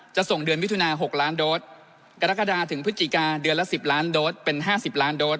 ส่งเดือนมิถุนา๖ล้านโดสกรกฎาถึงพฤศจิกาเดือนละ๑๐ล้านโดสเป็น๕๐ล้านโดส